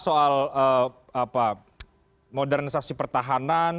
soal modernisasi pertahanan